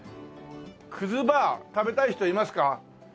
くずバー食べたい人いますか？